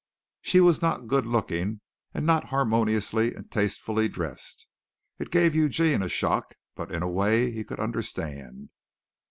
She was not good looking and not harmoniously and tastefully dressed. It gave Eugene a shock, but in a way he could understand.